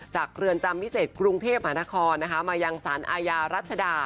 เรือนจำพิเศษกรุงเทพมหานครมายังสารอาญารัชดา